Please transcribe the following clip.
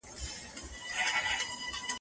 آیا د ابن خلدون د نظریاتو پلي کول هم شوني دي؟